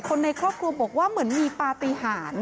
คนในครอบครัวบอกว่าเหมือนมีปฏิหาร